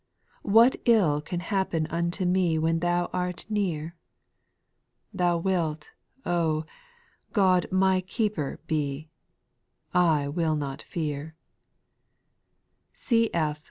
Wliat ill can happen unto me When thou art near ? Thou wilt, oh I God, my keeper be, . I will not fear.